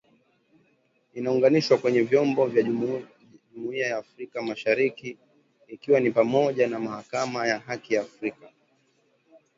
inaunganishwa kwenye vyombo vya jumuia ya Afrika Mashariki ikiwa ni pamoja na Mahakama ya Haki ya Afrika